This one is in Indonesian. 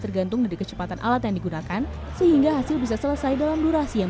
tergantung dari kecepatan alat yang digunakan sehingga hasil bisa selesai dalam durasi yang